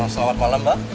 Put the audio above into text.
selamat malam mbak